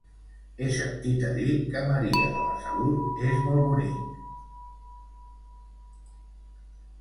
He sentit a dir que Maria de la Salut és molt bonic.